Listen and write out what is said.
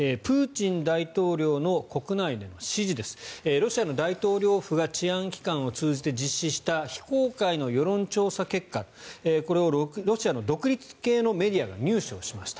ロシアの大統領府が治安機関を通じて実施した非公開の世論調査結果これをロシアの独立系のメディアが入手しました。